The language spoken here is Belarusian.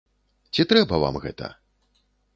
Ці трэба вам гэта?